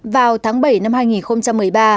vào tháng bảy năm hai nghìn một mươi ba